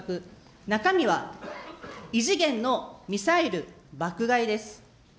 中身は異次元のミサイル爆買いです。